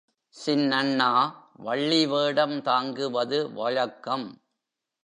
சின்னண்ணா வள்ளி வேடம் தாங்குவது வழக்கம்.